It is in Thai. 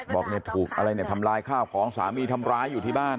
บอกเนี่ยถูกอะไรเนี่ยทำลายข้าวของสามีทำร้ายอยู่ที่บ้าน